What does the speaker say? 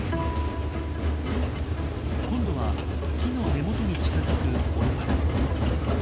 今度は木の根元に近づくオルパダン。